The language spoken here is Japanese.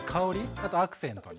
あとアクセントに。